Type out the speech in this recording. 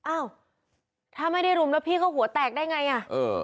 อ้าวถ้าไม่ได้รุมแล้วพี่เขาหัวแตกได้ไงอ่ะเออ